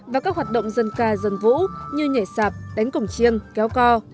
và các hoạt động dân ca dân vũ như nhảy sạp đánh cổng chiêng kéo co